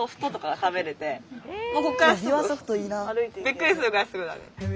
びっくりするぐらいすぐだね。